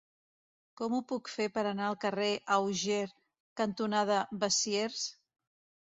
Com ho puc fer per anar al carrer Auger cantonada Besiers?